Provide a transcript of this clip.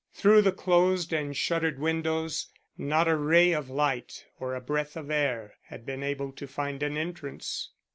Through the closed and shuttered windows not a ray of light or a breath of air had been able to find an entrance.